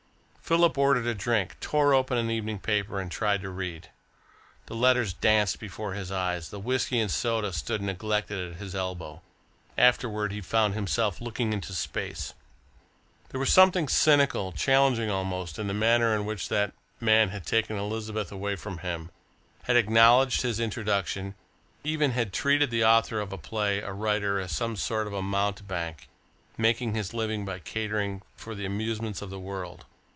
Philip ordered a drink, tore open an evening paper, and tried to read. The letters danced before his eyes, the whisky and soda stood neglected at his elbow. Afterwards he found himself looking into space. There was something cynical, challenging almost, in the manner in which that man had taken Elizabeth away from him, had acknowledged his introduction, even had treated the author of a play, a writer, as some sort of a mountebank, making his living by catering for the amusements of the world.